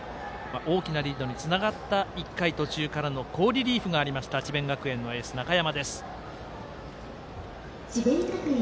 大きなリードにつながった１回途中からの好リリーフがありました智弁学園のエース、中山。